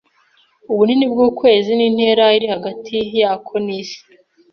ubunini bw’ukwezi n’intera iri hagati yako n’is